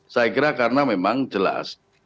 saya kira karena memang jelas